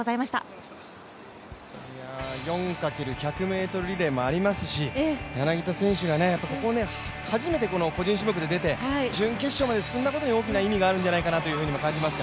４×１００ｍリレーもありますし柳田選手が初めて個人種目で出て、準決勝まで進んだことに大きな意味があるんじゃないかなと思います。